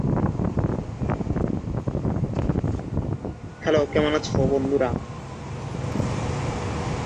তারা মূলত খননের মতো কাজের সুযোগে এসেছিল।